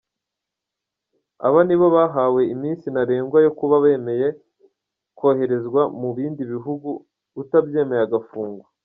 Aba nibo bahawe iminsi ntarengwa yo kuba bemeye koherezwa mu bindi bihugu, utabyemeye agafungwa.